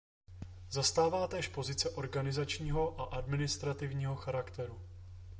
Zastává též pozice organizačního a administrativního charakteru.